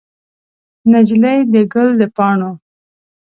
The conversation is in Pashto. نجلۍ د ګل د پاڼو